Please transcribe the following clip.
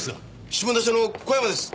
下田署の小山です。